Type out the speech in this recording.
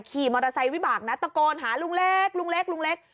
ขี่มอเตอร์ไซส์วิบากนัดตะโกนหาลุงเล็ก